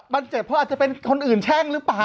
มันเจ็บเพราะอาจจะเป็นคนอื่นแช่งหรือเปล่า